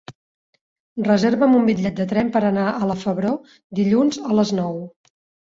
Reserva'm un bitllet de tren per anar a la Febró dilluns a les nou.